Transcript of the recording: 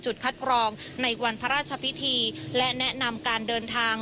คัดกรองในวันพระราชพิธีและแนะนำการเดินทาง